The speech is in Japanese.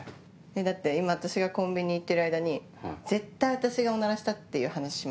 だって今私がコンビニ行ってる間に絶対私がおならしたっていう話しますよね？